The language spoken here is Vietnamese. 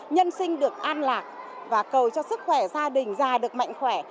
nhân sinh được an lạc và cầu cho sức khỏe gia đình già được mạnh khỏe